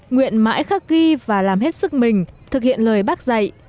nguyện mãi khắc ghi và làm hết sức mình thực hiện lời bác dạy